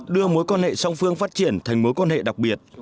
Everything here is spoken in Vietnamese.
đưa mối quan hệ song phương phát triển thành mối quan hệ đặc biệt